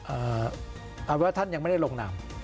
เอ่อเอาไว้ว่าท่านยังไม่ได้ลงนาม